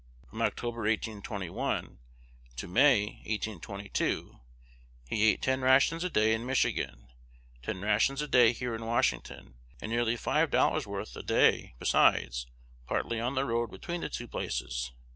From October, 1821, to May, 1822, he ate ten rations a day in Michigan, ten rations a day here in Washington, and nearly five dollars' worth a day besides, partly on the road between the two places.